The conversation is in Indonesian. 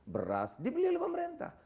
beras dibeli oleh pemerintah